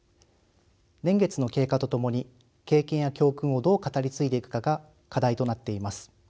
年月の経過とともに経験や教訓をどう語り継いでいくかが課題となっています。